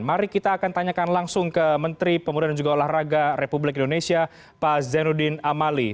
mari kita akan tanyakan langsung ke menteri pemuda dan juga olahraga republik indonesia pak zainuddin amali